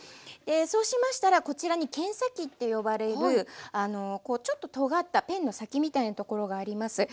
そうしましたらこちらに剣先って呼ばれるちょっととがったペンの先みたいなところがあります。